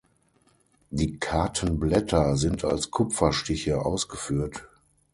Die Kartenblätter sind als Kupferstiche ausgeführt.